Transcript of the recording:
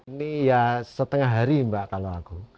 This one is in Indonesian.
ini ya setengah hari mbak kalau aku